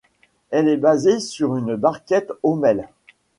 Elle est basée sur une barquette Hommell.